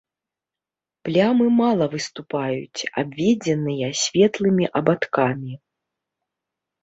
Плямы мала выступаюць, абведзеныя светлымі абадкамі.